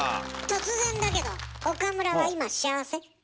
突然だけど岡村は今、幸せ？